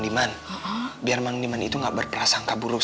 diman biar mengimani itu enggak berperasa